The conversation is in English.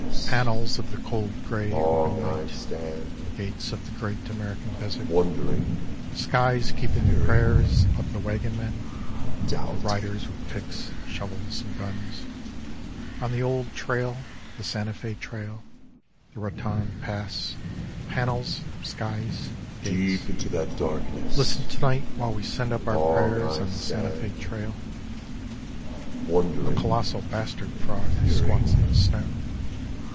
Panels of the cold gray open night. Gates of the Great American Desert, Skies keeping the prayers of the wagon men, The riders with picks, shovels and guns, On the old trail, the Santa Fe trail, the Raton pass Panels, skies, gates, listen to night while we send up our prayers on the Santa Fe trail. (A colossal bastard frog squats in stone.